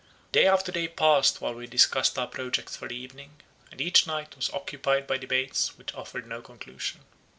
Day after day passed while we discussed our projects for the evening, and each night was occupied by debates which offered no conclusion.